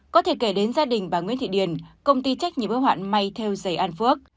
có thể kể đến gia đình bà nguyễn thị điền công ty trách nhiệm ứng hoạn may theo dày an phước